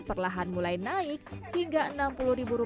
perlahan mulai naik hingga rp enam puluh per kilogram